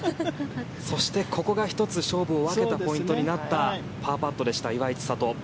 そしてここが１つ勝負を分けたポイントになったパーパットでした岩井千怜。